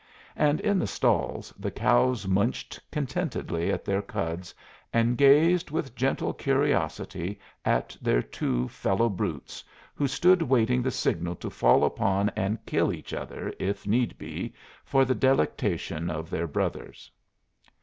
And in the stalls the cows munched contentedly at their cuds and gazed with gentle curiosity at their two fellow brutes, who stood waiting the signal to fall upon and kill each other, if need be, for the delectation of their brothers.